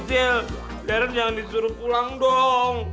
deren jangan disuruh pulang dong